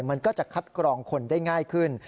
มันก็จะคัดกรองคนได้ง่ายขึ้น